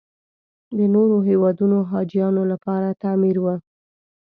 د نورو هېوادونو حاجیانو لپاره تعمیر و.